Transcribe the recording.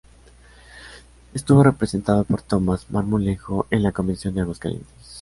Estuvo representado por Tomás Marmolejo en la Convención de Aguascalientes.